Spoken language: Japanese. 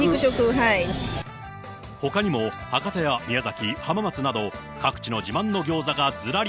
ほかにも博多や宮崎、浜松など、各地の自慢のギョーザがずらり。